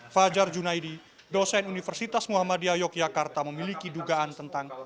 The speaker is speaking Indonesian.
fajar junaidi dosen universitas muhammadiyah yogyakarta memiliki dugaan tentang